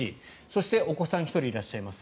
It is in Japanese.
そして、お子さんが１人いらっしゃいます。